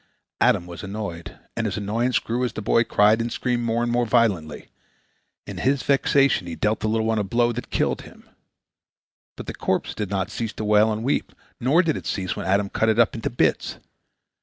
Adam was annoyed, and his annoyance grew as the boy cried and screamed more and more violently. In his vexation he dealt the little one a blow that killed him. But the corpse did not cease to wail and weep, nor did it cease when Adam cut it up into bits.